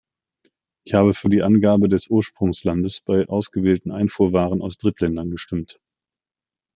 Ich habe für die Angabe des Ursprungslandes bei ausgewählten Einfuhrwaren aus Drittländern gestimmt.